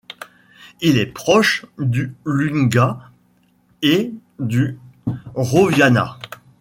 Il est proche du lungga et du roviana.